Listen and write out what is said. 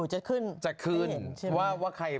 เอาเหรอคะ